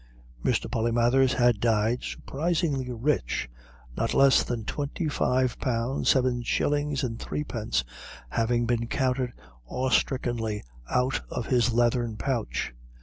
Mr. Polymathers had died surprisingly rich, not less than twenty five pounds, seven shillings and threepence having been counted awestrickenly out of his leathern pouch.